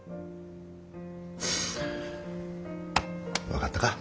分かったか。